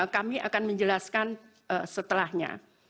kami akan menjelaskan setelahnya